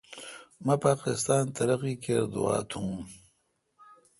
مہ پاکستان ترقی کر دعا تو